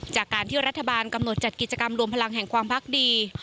จากการที่รัฐบาลกำหนดจัดกิจกรรมรวมพลังแห่งความพักดี